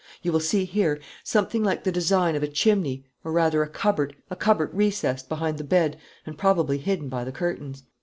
You will see here something like the design of a chimney, or, rather, a cupboard a cupboard recessed behind the bed and probably hidden by the curtains."